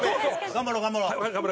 頑張ろう頑張ろう。